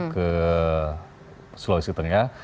ke sulawesi tengah